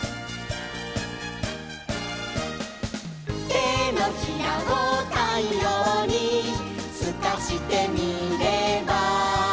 「てのひらをたいようにすかしてみれば」